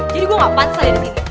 jadi gue gak pantas aja disini